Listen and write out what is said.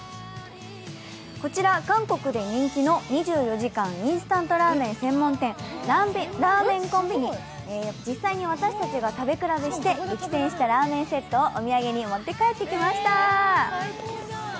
こちら、韓国で人気の２４時間インスタントラーメン専門店、ラーメンコンビニ、実際に私たちが食べ比べして激戦したラーメンセットをお土産に持って帰ってきました。